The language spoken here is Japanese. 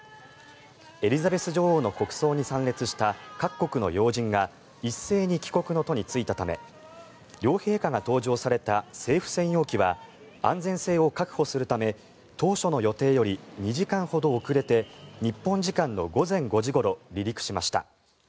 エリザベス女王の国葬に参列した各国の要人が一斉に帰国の途に就いたため両陛下が搭乗された政府専用機は安全性を確保するため当初の予定より２時間ほど遅れて日本時間の午前５時ごろ離陸しました。